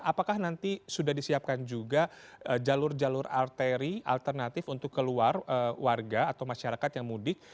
apakah nanti sudah disiapkan juga jalur jalur arteri alternatif untuk keluar warga atau masyarakat yang mudik